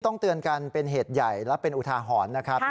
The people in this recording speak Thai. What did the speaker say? ต้องเตือนกันเป็นเหตุใหญ่และเป็นอุทาหรณ์นะครับ